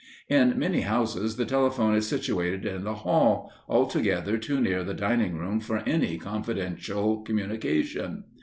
In many houses the telephone is situated in the hall, altogether too near the dining room for any confidential communication.